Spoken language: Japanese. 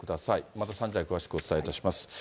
また３時台に詳しくお伝えいたします。